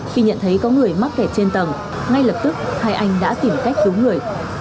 khi nhận thấy có người mắc kẹt trên tầng ngay lập tức hai anh đã tìm cách cứu người